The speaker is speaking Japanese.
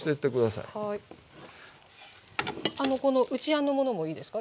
この内あんのものもいいですか？